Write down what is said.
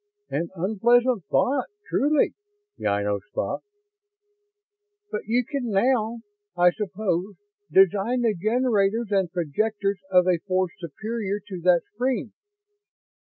"An unpleasant thought, truly," Ynos thought. "But you can now, I suppose, design the generators and projectors of a force superior to that screen."